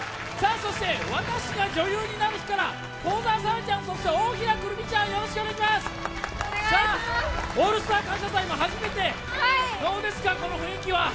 そして「『私が女優になる日＿』」から幸澤沙良ちゃん、大平くるみちゃん「オールスター感謝祭」も初めて、どうですか、この雰囲気は？